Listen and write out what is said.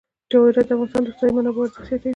جواهرات د افغانستان د اقتصادي منابعو ارزښت زیاتوي.